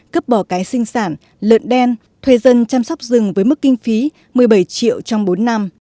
cấp bỏ cái sinh sản lợn đen thuê dân chăm sóc rừng với mức kinh phí một mươi bảy triệu trong bốn năm